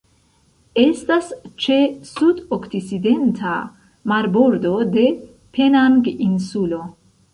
Estas ĉe sudokcidenta marbordo de Penang-insulo.